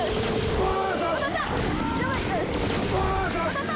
当たった！